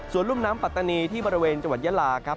ส่วนรุ่มน้ำปัตตานีที่บริเวณจังหวัดยาลาครับ